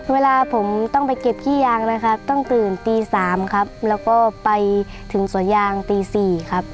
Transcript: เวลาผมต้องไปเก็บขี้ยางนะครับต้องตื่นตี๓ครับแล้วก็ไปถึงสวนยางตี๔ครับ